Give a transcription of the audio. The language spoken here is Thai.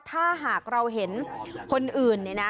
ถ้าหากเราเห็นคนอื่น